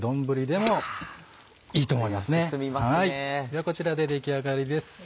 ではこちらで出来上がりです。